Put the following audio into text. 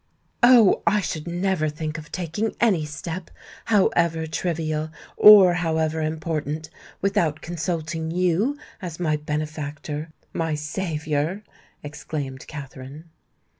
"Oh! I should never think of taking any step—however trivial, or however important—without consulting you, as my benefactor—my saviour!" exclaimed Katherine.